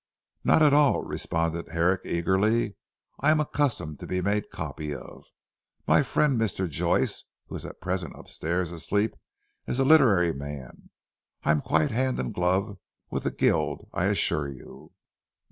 "Not at all," responded Herrick eagerly, "I am accustomed to be made copy of. My friend Mr. Joyce, who is at present upstairs asleep, is a literary man. I am quite hand and glove with the guild I assure you."